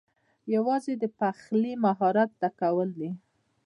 یوازې د پخلي مهارت زده کول دي